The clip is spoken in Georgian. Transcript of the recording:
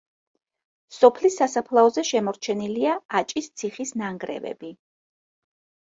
სოფლის სასაფლაოზე შემორჩენილია აჭის ციხის ნანგრევები.